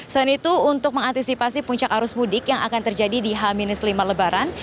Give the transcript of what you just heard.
selain itu untuk mengantisipasi puncak arus mudik yang akan terjadi di h lima lebaran